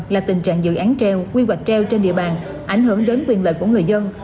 là tình trạng dự án treo quy hoạch treo trên địa bàn ảnh hưởng đến quyền lợi của người dân